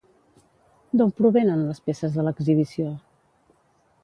D'on provenen les peces de l'exhibició?